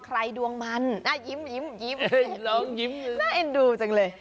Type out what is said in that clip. ใครดวงมันน่ายิ้มน่าเอ็นดูจังเลย